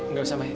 gak usah mai